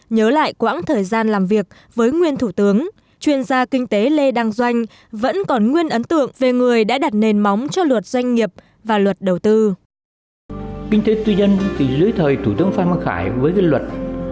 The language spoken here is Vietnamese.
nhớ lại quãng thời gian làm việc với nguyên thủ tướng chuyên gia kinh tế lê đăng doanh vẫn còn nguyên ấn tượng về người đã đặt nền móng cho luật